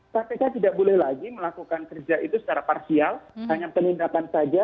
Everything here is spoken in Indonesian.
jadi kpk tidak boleh lagi melakukan kerja itu secara parsial hanya penindakan saja